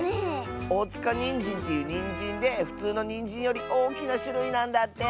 おおつかにんじんっていうにんじんでふつうのにんじんよりおおきなしゅるいなんだって！